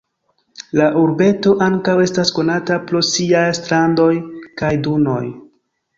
La urbeto ankaŭ estas konata pro siaj strandoj kaj dunoj.